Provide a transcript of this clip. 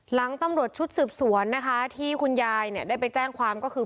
หลังตำรวจชุดสืบสวนนะคะที่คุณยายเนี่ยได้ไปแจ้งความก็คือ